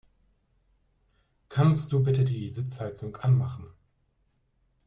Kannst du bitte die Sitzheizung anmachen?